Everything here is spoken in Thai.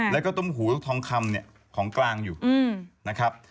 แล้วก็ต้มหูลูกทองคำเนี่ยของกลางอยู่นะครับ